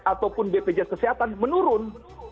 ataupun bpjs kesehatan menurun